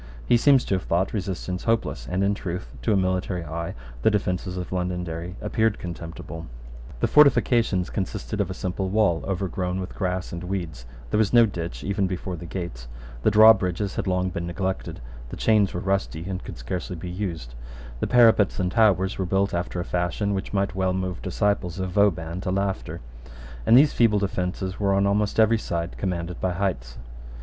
He seems to have thought resistance hopeless; and in truth, to a military eye, the defences of Londonderry appeared contemptible. The fortifications consisted of a simple wall overgrown with grass and weeds: there was no ditch even before the gates: the drawbridges had long been neglected: the chains were rusty and could scarcely be used: the parapets and towers were built after a fashion which might well move disciples of Vauban to laughter; and these feeble defences were on almost every side commanded by heights.